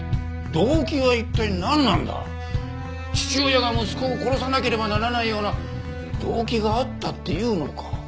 父親が息子を殺さなければならないような動機があったっていうのか？